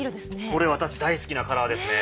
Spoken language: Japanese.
これ私大好きなカラーですね。